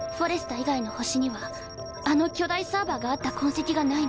以外の星にはあの巨大サーバーがあった痕跡がないの。